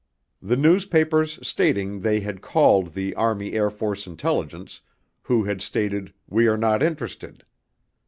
The newspapers stating they had called the Army Air Force Intelligence who had stated "we are not interested".